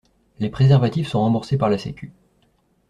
Les préservatifs sont remboursés par la sécu.